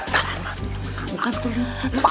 kamu kan tuh licik